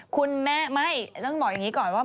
คุณแม่ไม่ต้องบอกอย่างนี้ก่อนว่า